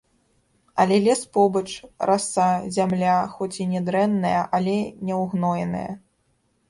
Але лес побач, раса, зямля хоць і нядрэнная, але няўгноеная.